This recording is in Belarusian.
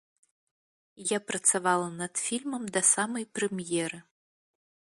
Я працавала над фільмам да самай прэм'еры.